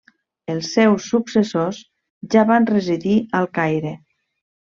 Els seus successors ja van residir al Caire.